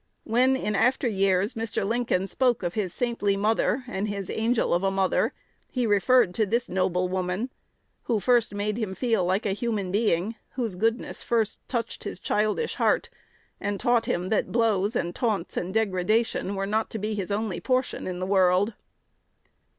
When, in after years, Mr. Lincoln spoke of his "saintly mother," and of his "angel of a mother," he referred to this noble woman,1 who first made him feel "like a human being," whose goodness first touched his childish heart, and taught him that blows and taunts and degradation were not to be his only portion in the world.